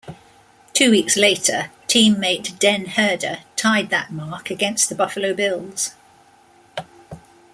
Two weeks later, teammate Den Herder tied that mark against the Buffalo Bills.